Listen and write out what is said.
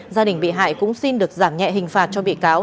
gia đình bị hại cũng xin được giảm nhẹ hình phạt cho bị cáo